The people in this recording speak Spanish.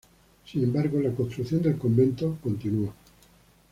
Sin embargo, la construcción del convento continuó.